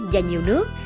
và nhiều nước